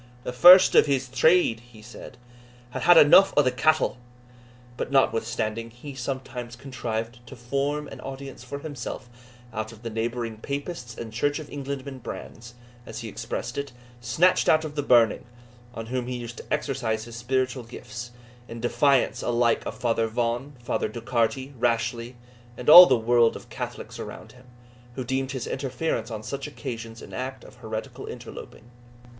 "The first of his trade," he said, "had had eneugh o'thae cattle." But, notwithstanding, he sometimes contrived to form an audience for himself out of the neighbouring Papists and Church of Englandmen brands, as he expressed it, snatched out of the burning, on whom he used to exercise his spiritual gifts, in defiance alike of Father Vaughan, Father Docharty, Rashleigh, and all the world of Catholics around him, who deemed his interference on such occasions an act of heretical interloping.